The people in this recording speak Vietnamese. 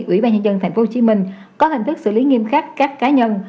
ủy ban nhân dân tp hcm có hình thức xử lý nghiêm khắc các cá nhân